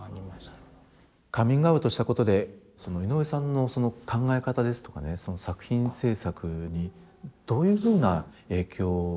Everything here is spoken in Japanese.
カミングアウトしたことでその井上さんの考え方ですとかね作品制作にどういうふうな影響を与えているというふうに思います？